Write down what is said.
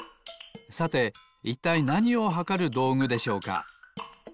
さていったいなにをはかるどうぐでしょうか？